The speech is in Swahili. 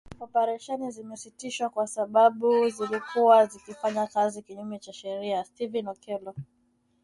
Operesheni zimesitishwa kwa sababu zilikuwa zikifanya kazi kinyume cha sheria, Stephen Okello